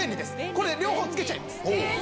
これ両方つけちゃいます。